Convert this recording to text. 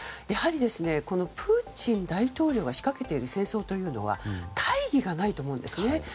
やはり、プーチン大統領が仕掛けている戦争というのは大義がないと思うんです。